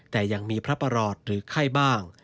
แต่ยังมีพระประหลอดหรือไข้บ้าง